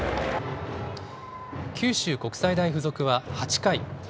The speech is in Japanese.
九州国際大付属は８回。